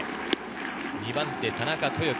２番手、田中豊樹。